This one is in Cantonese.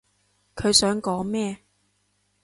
佢想講咩？